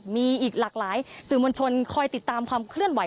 มีอีกหลากหลายสื่อมวลชนคอยติดตามความเคลื่อนไห